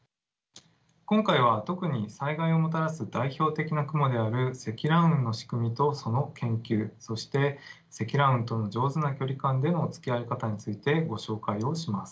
今回は特に災害をもたらす代表的な雲である積乱雲の仕組みとその研究そして積乱雲との上手な距離感でのつきあい方についてご紹介をします。